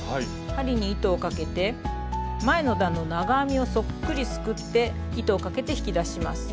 針に糸をかけて前の段の長編みをそっくりすくって糸をかけて引き出します。